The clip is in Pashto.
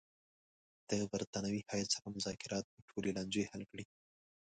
د برټانوي هیات سره مذاکرات به ټولې لانجې حل کړي.